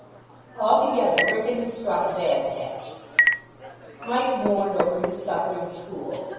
Altogether, Wrykyn had struck a bad patch. Mike mourned over his suffering school.